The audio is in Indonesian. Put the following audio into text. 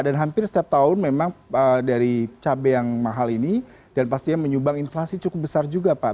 dan hampir setiap tahun memang dari cabai yang mahal ini dan pastinya menyumbang inflasi cukup besar juga pak